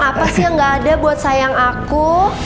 apa sih yang gak ada buat sayang aku